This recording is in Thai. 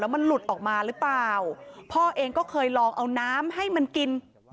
มันหลุดออกมาหรือเปล่าพ่อเองก็เคยลองเอาน้ำให้มันกิน